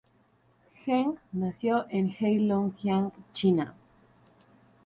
Geng nació en Heilongjiang, China.